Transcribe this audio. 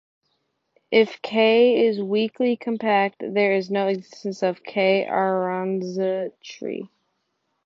If κ is weakly compact, there is no existence of κ-Aronszajn tree.